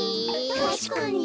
たしかに。